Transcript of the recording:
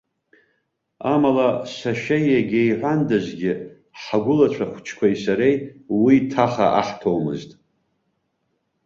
Амала, сашьа иагьа иҳәандазгьы, ҳгәылацәа хәыҷқәеи сареи уи ҭаха аҳҭомызт.